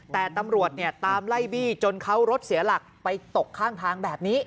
แต่ตำรวจเนี่ยตามไล่บี้จนเขารถเสียหลักไปตกข้างทางแบบนี้